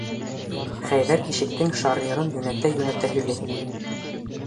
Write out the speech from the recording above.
Хәйҙәр ишектең шарнирын йүнәтә-йүнәтә һөйләй.